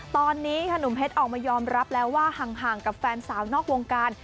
ตอนนี้ค่ะหนุ่มเพชรออกมายอมรับแล้วว่าห่างกับแฟนสาวนอกวงการ